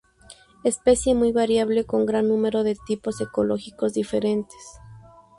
Especie muy variable con gran número de tipos ecológicos diferentes.